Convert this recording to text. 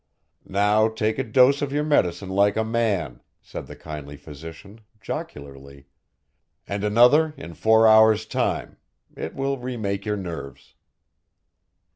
"Now take a dose of your medicine like a man," said the kindly physician, jocularly, "and another in four hours' time, it will re make your nerves."